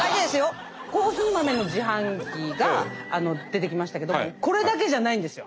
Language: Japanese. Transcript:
コーヒー豆の自販機が出てきましたけどこれだけじゃないんですよ。